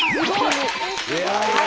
すごい！